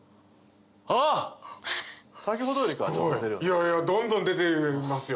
いやいやどんどん出ていますよ